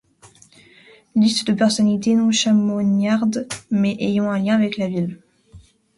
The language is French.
Liste de personnalités non chamoniardes mais ayant un lien avec la ville.